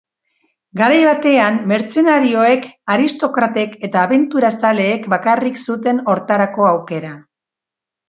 Garai batean mertzenarioek, aristokratek eta abenturazaleek bakarrik zuten hortarako aukera.